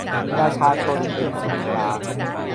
ประชาชนเป็นศูนย์กลาง